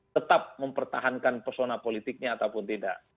tetap mempertahankan persona politiknya ataupun tidak